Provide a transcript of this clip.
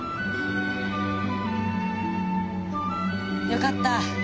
よかった。